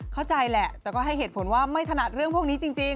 เข้าใจแหละแต่ก็ให้เหตุผลว่าไม่ถนัดเรื่องพวกนี้จริง